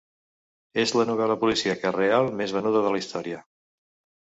És la novel·la policíaca real més venuda de la història.